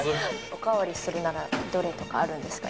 お代わりするならどれとかあるんですか？